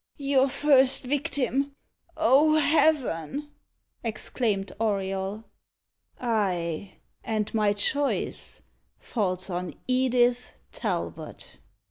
"Your first victim! oh, Heaven!" exclaimed Auriol. "Ay, and my choice falls on Edith Talbot!"